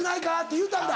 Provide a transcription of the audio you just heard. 言うたんだ。